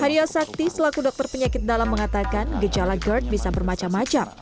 harya sakti selaku dokter penyakit dalam mengatakan gejala gerd bisa bermacam macam